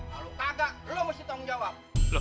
kalau ada lo mesti tanggung jawab